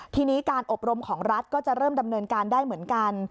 ทีนี้การอบรมของรัฐก็จะเริ่มดำเนินการได้เหมือนกัน